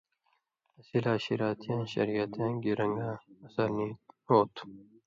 اسی لا شِراتیاں (شریعتاں) گی رن٘گاں اثر نی ہو تُھو۔